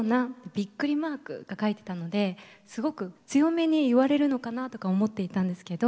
びっくりマークが書いてたのですごく強めに言われるのかなとか思っていたんですけど